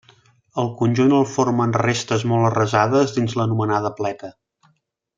El conjunt el formen restes molt arrasades dins l'anomenada pleta.